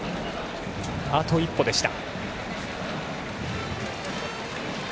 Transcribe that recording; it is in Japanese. あと一歩でした。